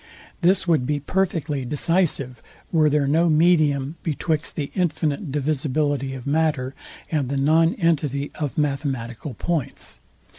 This would be perfectly decisive, were there no medium betwixt the infinite divisibility of matter, and the non entity of mathematical points.